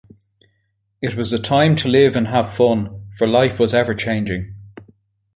It was a time to live and have fun, for life was ever changing.